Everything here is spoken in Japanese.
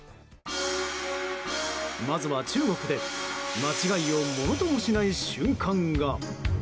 まずは中国で、間違いをものともしない瞬間が。